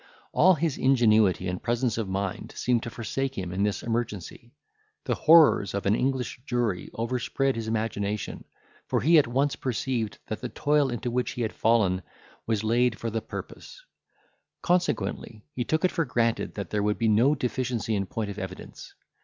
All his ingenuity and presence of mind seemed to forsake him in this emergency. The horrors of an English jury overspread his imagination; for he at once perceived that the toil into which he had fallen was laid for the purpose; consequently he took it for granted that there would be no deficiency in point of evidence.